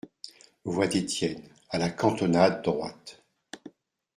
Voix d'Etienne, à la cantonade droite.